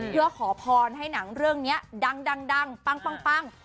เพื่อขอพรให้หนังเรื่องเนี้ยดังดังดังปังปังปัง